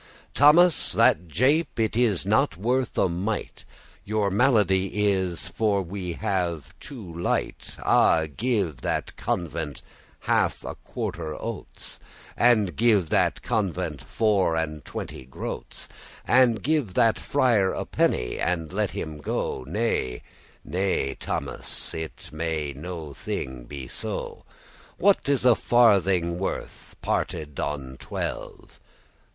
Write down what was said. Thomas, that jape* it is not worth a mite; *jest Your malady is *for we have too lite.* *because we have Ah, give that convent half a quarter oats; too little* And give that convent four and twenty groats; And give that friar a penny, and let him go! Nay, nay, Thomas, it may no thing be so. What is a farthing worth parted on twelve?